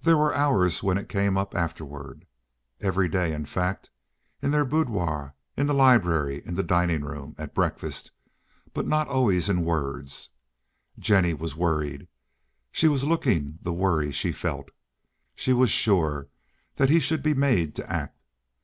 There were hours when it came up afterward—every day, in fact—in their boudoir, in the library, in the dining room, at breakfast, but not always in words. Jennie was worried. She was looking the worry she felt. She was sure that he should be made to act.